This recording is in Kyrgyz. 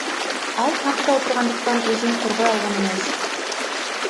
Ал партада отургандыктан өзүн коргой алган эмес.